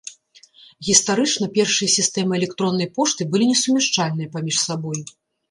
Гістарычна першыя сістэмы электроннай пошты былі несумяшчальныя паміж сабой.